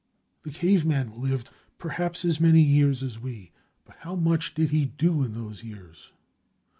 The caveman lived, perhaps, as many years as we—but how much did he do in those years?